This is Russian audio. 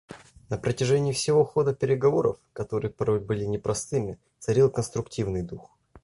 На протяжении всего хода переговоров, которые порой были непростыми, царил конструктивный дух.